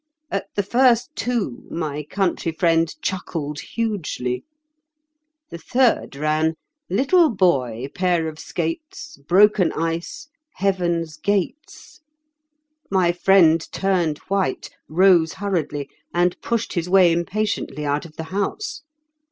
At the first two my country friend chuckled hugely. The third ran: 'Little boy; pair of skates: broken ice; heaven's gates.' My friend turned white, rose hurriedly, and pushed his way impatiently out of the house.